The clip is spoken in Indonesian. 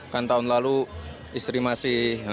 kan tahun lalu istri masih